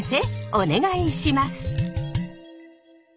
お願いします。